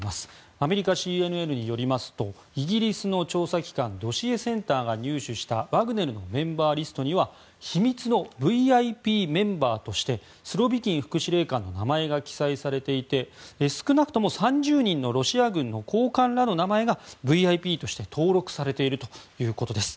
アメリカＣＮＮによりますとイギリスの調査機関ドシエセンターが入手したワグネルのメンバーリストには秘密のＶＩＰメンバーとしてスロビキン副司令官の名前が記載されていて少なくとも３０人のロシア軍の高官らの名前がＶＩＰとして登録されているということです。